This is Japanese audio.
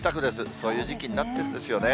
そういう時期になってるんですよね。